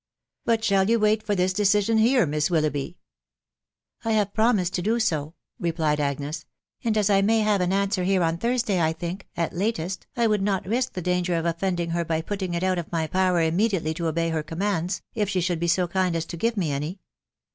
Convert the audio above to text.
" But shall you wait for this decision here, Miss Wil loughby ?"" I have promised to do so," replied Agnes ;" and as I may have an answer here on Thursday, I think, at latest^ I would not risk the danger of offending her by putting it cut of my power immediately to obey her commands, if she should be so kind as to give me any."